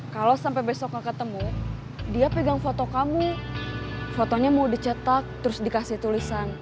kalau sampai besok ketemu dia pegang foto kamu fotonya mau dicetak terus dikasih tulisan